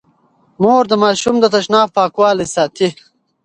مور د ماشوم د تشناب پاکوالی ساتي.